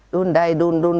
đun đây đun đun